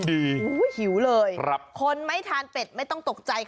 ส่วนเมนูที่ว่าคืออะไรติดตามในช่วงตลอดกิน